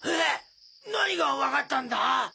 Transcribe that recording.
何がわかったんだ？